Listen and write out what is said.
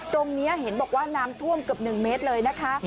ตรงนี้เห็นบอกว่าน้ำท่วมเกือบ๑เมตรเลยนะคะ